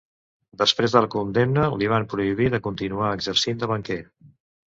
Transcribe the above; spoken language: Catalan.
Després de la condemna, li van prohibir de continuar exercint de banquer.